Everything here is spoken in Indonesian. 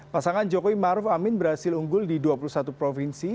pasangan jokowi maruf amin berhasil unggul di dua puluh satu provinsi